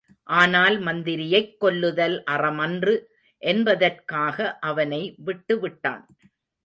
ஆனால் மந்திரியைக் கொல்லுதல் அறமன்று என்பதற்காக அவனை விட்டுவிட்டான்.